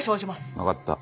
分かった。